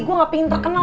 gua gak pingin terkenal